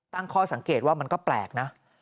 ตั้งข้อสังเกตว่ามันก็แปลกนะ